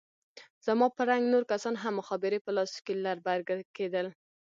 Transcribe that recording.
زما په رنګ نور کسان هم مخابرې په لاسو کښې لر بر کېدل.